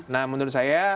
nah menurut saya